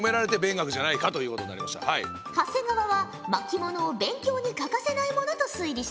長谷川は巻物を勉強に欠かせないものと推理したんじゃな。